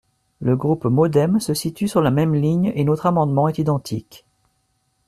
Le groupe MODEM se situe sur la même ligne et notre amendement est identique.